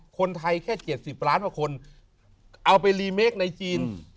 คนไทยแค่๗๐ล้านกว่าคนเอาไปรีเมคในจีน